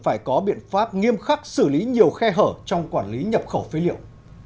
phải có biện pháp nghiêm khắc xử lý nhiều khe hở trong quản lý nhập khẩu phế liệu